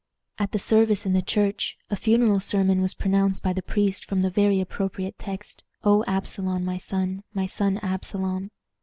At the service in the church a funeral sermon was pronounced by the priest from the very appropriate text, "O Absalom! my son! my son Absalom!"